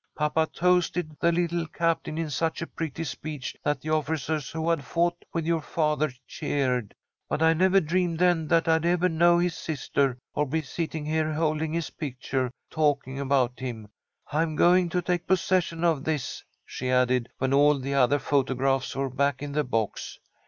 Papa toasted 'The Little Captain' in such a pretty speech that the officers who had fought with your father cheered. But I never dreamed then that I'd ever know his sister, or be sitting here holding his picture, talking about him. I'm going to take possession of this," she added, when all the other photographs were back in the box.